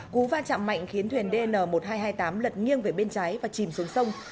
cú va chạm mạnh khiến thuyền dn một nghìn hai trăm hai mươi tám lật nghiêng về bên trái và chìm xuống sông